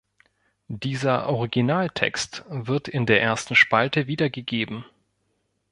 Dieser „Original-Text“ wird in der ersten Spalte wiedergegeben.